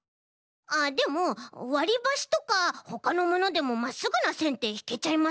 あっでもわりばしとかほかのものでもまっすぐなせんってひけちゃいません？